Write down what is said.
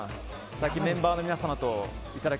最近メンバーの皆様といただき！